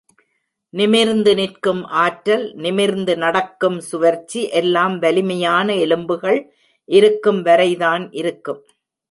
நிமிர்ந்து நிற்கும் ஆற்றல், நிமிர்ந்து நடக்கும் சுவர்ச்சி எல்லாம் வலிமையான எலும்புகள் இருக்கும் வரைதான் இருக்கும்.